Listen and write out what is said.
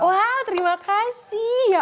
wow terima kasih